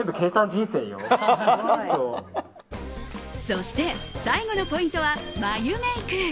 そして最後のポイントは眉メイク。